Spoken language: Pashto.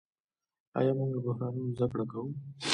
آیا موږ له بحرانونو زده کړه کوو؟